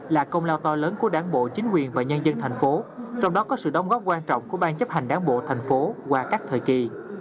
là công lao to lớn của đảng bộ chính quyền và nhân dân tp hcm trong đó có sự đóng góp quan trọng của ban chấp hành đảng bộ tp hcm qua các thời kỳ